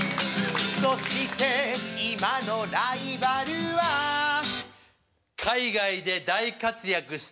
そして今のライバルは海外で大活躍している。